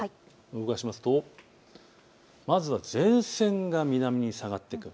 動かしますとまずは前線が南に下がってくる。